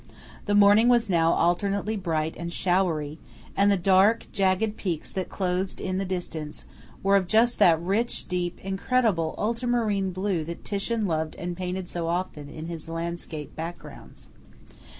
The morning was now alternately bright and showery, and the dark, jagged peaks that closed in the distance were of just that rich, deep, incredible ultra marine blue that Titian loved and painted so often in his landscape backgrounds.